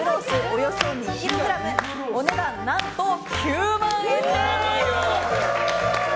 およそ２ｋｇお値段、何と９万円です。